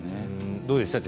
どうですか？